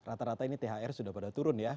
rata rata ini thr sudah pada turun ya